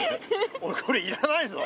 俺これ要らないぞ。